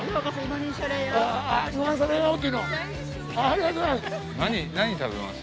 ありがとうございます。